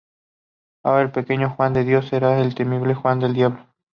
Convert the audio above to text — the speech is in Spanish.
Ahora el pequeño Juan de Dios será el temible Juan del Diablo.